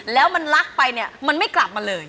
แล้วมันลักไปเนี่ยมันไม่กลับมาเลย